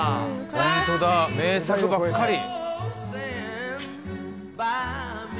ホントだ名作ばっかり。